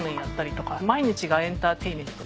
毎日がエンターテインメント。